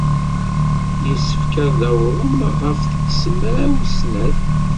Yessefk ad awḍen ɣef tis mraw snat.